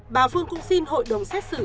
bà phương cũng xin hội đồng xét xử